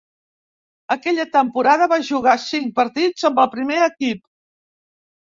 Aquella temporada va jugar cinc partits amb el primer equip.